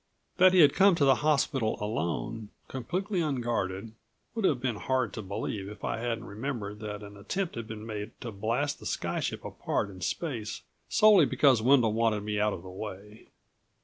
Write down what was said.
That he had come to the hospital alone, completely unguarded, would have been hard to believe if I hadn't remembered that an attempt had been made to blast the sky ship apart in space solely because Wendel wanted me out of the way.